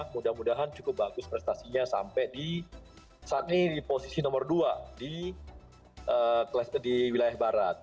mudah mudahan cukup bagus prestasinya sampai di saat ini di posisi nomor dua di wilayah barat